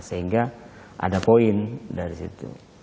sehingga ada poin dari situ